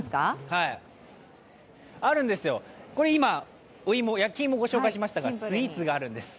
あるんですよ、今、焼き芋をご紹介しましたがスイーツがあるんです。